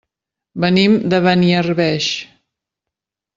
Venim de Beniarbeig.